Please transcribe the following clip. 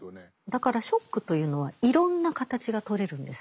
だからショックというのはいろんな形がとれるんですね。